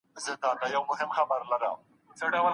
ړوند ښوونکي باید په ګڼ ځای کي اوږده کیسه وکړي.